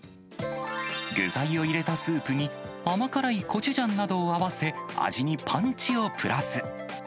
具材を入れたスープに、甘辛いコチュジャンなどを合わせ、味にパンチをプラス。